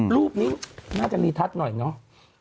รูปนี้น่าจะรีทัลหน่อยนะ